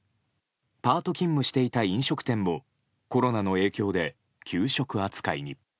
パート勤務していた飲食店もコロナの影響で休職扱いに。